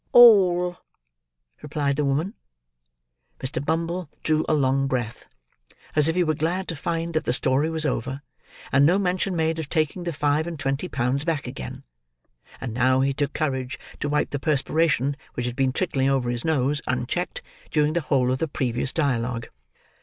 "All," replied the woman. Mr. Bumble drew a long breath, as if he were glad to find that the story was over, and no mention made of taking the five and twenty pounds back again; and now he took courage to wipe the perspiration which had been trickling over his nose, unchecked, during the whole of the previous dialogue.